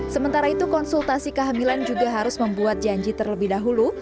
sementara itu konsultasi kehamilan juga harus membuat janji terlebih dahulu